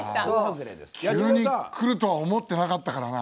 急にくるとは思ってなかったからな。